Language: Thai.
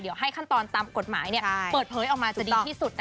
เดี๋ยวให้ขั้นตอนตามกฎหมายเปิดเผยออกมาจะดีที่สุด